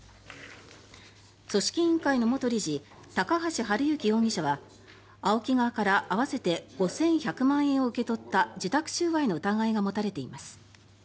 組織委員会の元理事高橋治之容疑者はＡＯＫＩ側から合わせて５１００万円を受け取った受託収賄の疑いが持たれています。